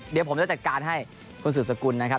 เดี๋ยวผมจะจัดการให้คุณสืบสกุลนะครับ